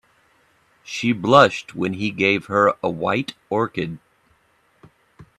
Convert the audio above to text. She blushed when he gave her a white orchid.